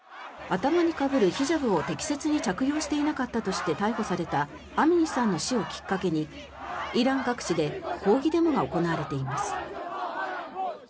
頭にかぶるヒジャブを適切に着用していなかったとして逮捕されたアミニさんの死をきっかけにイラン各地で抗議デモが行われています。